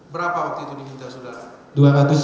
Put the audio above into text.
berapa waktu itu diminta saudara